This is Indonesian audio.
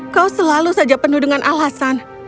kau selalu saja penuh dengan alasan